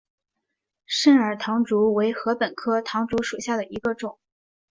肾耳唐竹为禾本科唐竹属下的一个种。